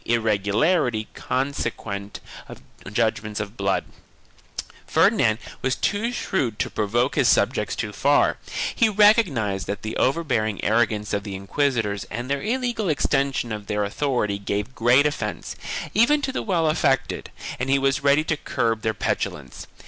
IS 274 THE KINGDOMS OF ARAGON [BOOK I was too shrewd to provoke his subjects too far; he recognized that the overbearing arrogance of the inquisitors and their illegal extension of their authority gave great offence, even to the well affected, and he was ready to curb their petulance.